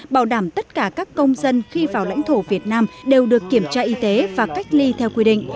bảo đảm tất cả các công dân khi vào lãnh thổ việt nam đều được kiểm tra y tế và cách ly theo quy định